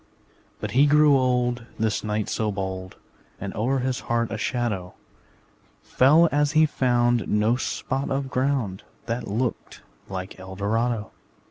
But he grew old, This knight so bold, And o'er his heart a shadow Fell as he found No spot of ground That looked like Eldorado.